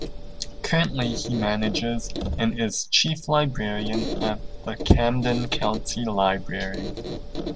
Currently he manages and is Chief Librarian at the Camden County Library.